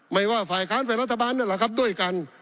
ไม่ว่าฝ่ายค้านฝ่ายรัฐบาลนั่นแหละครับด้วยกัน